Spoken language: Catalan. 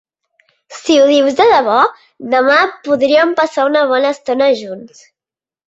Si ho dius de debò, demà podríem passar una bona estona junts.